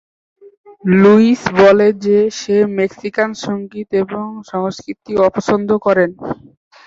Luis বলে যে সে মেক্সিকান সংগীত এবং সংস্কৃতি অপছন্দ করেন।